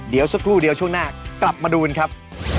เดี๋ยวสักครู่เดียวช่วงหน้ากลับมาดูกันครับ